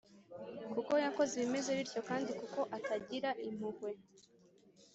kuko yakoze ibimeze bityo kandi kuko atagira impuhwe.